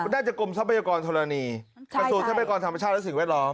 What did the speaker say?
น่าจะกรมทรัพยากรธรณีกระทรวงทรัพยากรธรรมชาติและสิ่งแวดล้อม